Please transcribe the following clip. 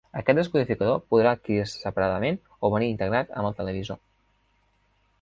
Aquest descodificador podrà adquirir-se separadament o venir integrat amb el televisor.